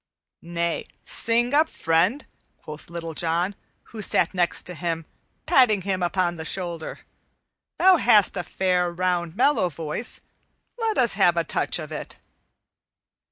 "Nay, sing up, friend," quoth Little John, who sat next to him, patting him upon the shoulder. "Thou hast a fair, round, mellow voice; let us have a touch of it."